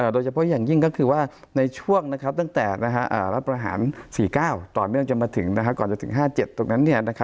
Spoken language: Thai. โดยเฉพาะอย่างยิ่งก็คือว่าในช่วงตั้งแต่รัฐประหาร๔๙ต่อเนื่องจนมาถึงก่อนจะถึง๕๗ตรงนั้น